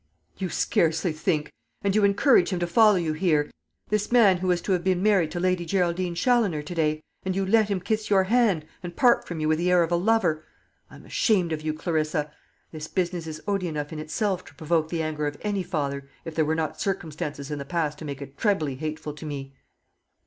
"You scarcely think! And you encourage him to follow you here this man who was to have been married to Lady Geraldine Challoner to day and you let him kiss your hand, and part from you with the air of a lover. I am ashamed of you, Clarissa. This business is odious enough in itself to provoke the anger of any father, if there were not circumstances in the past to make it trebly hateful to me."